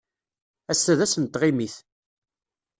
Ass-a d ass n tɣimit.